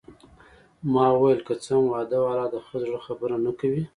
ما وویل: که څه هم واده والا د خپل زړه خبره نه کوي.